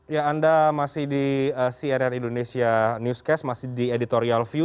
ya anda masih di cnn indonesia newscast masih di editorial view